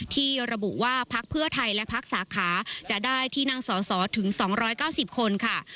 ที่ระบุว่าพักเพื่อไทยและพักสาขาจะได้ที่นั่งสอสอถึง๒๙๐คนค่ะ